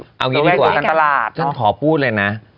เอาอย่างนี้ดีกว่าฉันขอพูดเลยนะ